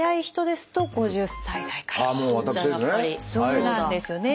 そうなんですよね。